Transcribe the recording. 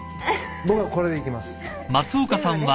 僕はこれでいきます。